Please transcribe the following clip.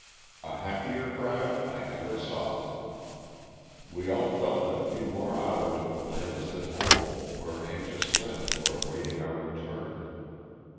A happier crowd I never saw ; we all felt that a few more hours woulr' land us at home where anxious friends were awaiting our return.